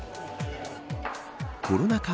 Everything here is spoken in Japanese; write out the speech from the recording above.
コロナ禍